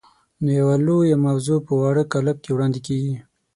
نو یوه لویه موضوع په واړه کالب کې وړاندې کېږي.